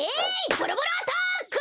ボロボロアタック！